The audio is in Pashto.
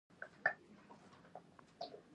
مکوه! چې خراپی یې